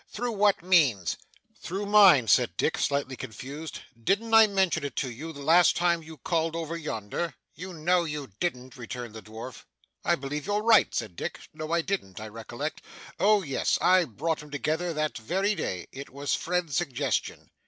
'Through whose means?' 'Through mine,' said Dick, slightly confused. 'Didn't I mention it to you the last time you called over yonder?' 'You know you didn't,' returned the dwarf. 'I believe you're right,' said Dick. 'No. I didn't, I recollect. Oh yes, I brought 'em together that very day. It was Fred's suggestion.